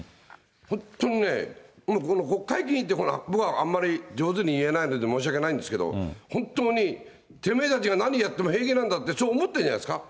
本当にね、この国会議員って、僕はあんまり上手に言えないので、申し訳ないんですけど、本当にてめーたちが何やっても平気なんだって、そう思ってるんじゃないですか。